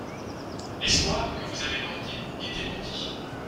L’espoir que vous avez porté est démenti.